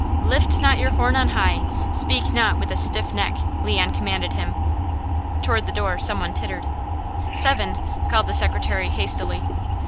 "Lift not up your horn on high: speak not with a stiff neck," Leon commanded him. Toward the door some one tittered. "Seven," called the secretary hastily.